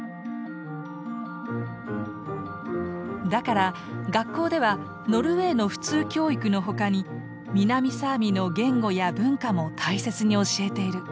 だから学校ではノルウェーの普通教育の他に南サーミの言語や文化も大切に教えてる。